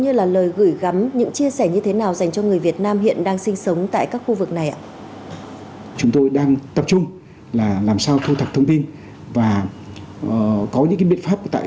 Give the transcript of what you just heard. hội đoàn người việt nam tại slovakia theo số điện thoại